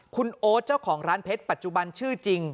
คุณโอ๊ตเจ้าของร้านเพชรปัจจุบันชื่อจริง